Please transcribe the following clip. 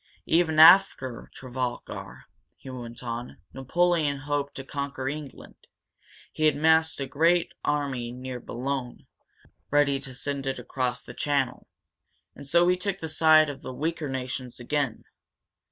"Even after Trafalgar," he went on, "Napoleon hoped to conquer England. He had massed a great army near Boulogne, ready to send it across the channel. And so we took the side of the weaker nations again.